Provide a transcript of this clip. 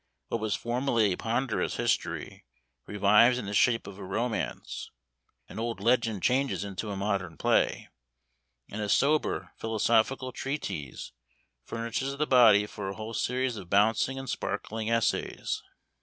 What was formerly a ponderous history, revives in the shape of a romance an old legend changes into a modern play and a sober philosophical treatise furnishes the body for a whole series of bouncing and sparkling essays.